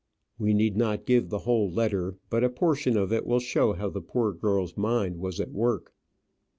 We need not give the whole letter, but a portion of it will show how the poor girl's mind was at work.